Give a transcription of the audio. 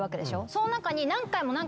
その中に。